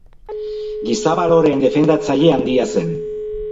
Giza baloreen defendatzaile handia zen.